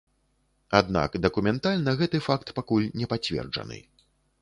Аднак дакументальна гэты факт пакуль не пацверджаны.